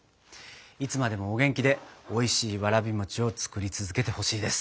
いつまでもお元気でおいしいわらび餅を作り続けてほしいです。